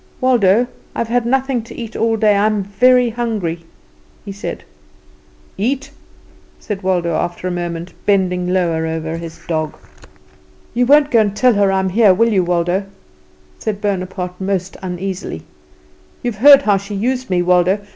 "Waldo, I've had nothing to eat all day I'm very hungry," he said. "Eat!" said Waldo after a moment, bending lower over his dog. "You won't go and tell her that I am here, will you, Waldo?" said Bonaparte most uneasily. "You've heard how she used me, Waldo?